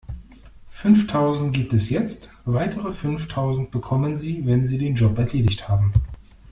Fünftausend gibt es jetzt, weitere fünftausend bekommen Sie, wenn Sie den Job erledigt haben.